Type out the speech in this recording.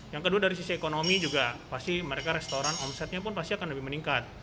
yang kedua dari sisi ekonomi juga pasti mereka restoran omsetnya pun pasti akan lebih meningkat